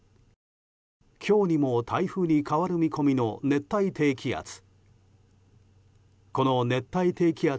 今日にも台風に変わる見込みの熱帯低気圧。